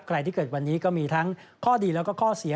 ที่เกิดวันนี้ก็มีทั้งข้อดีแล้วก็ข้อเสีย